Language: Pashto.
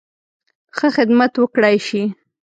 ښه خدمت وکړای شي.